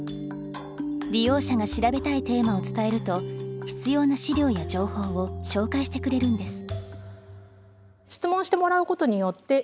利用者が調べたいテーマを伝えると必要な資料や情報を紹介してくれるんです。